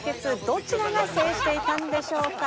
どちらが制していたんでしょうか？